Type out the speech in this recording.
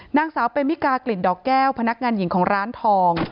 นางสาวเปมิกากลิ่นดอกแก้วพนักงานหญิงของร้านทอง